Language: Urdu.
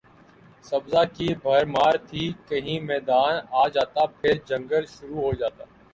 سبزہ کی بھرمار تھی کہیں میدان آ جاتا پھر جنگل شروع ہو جاتا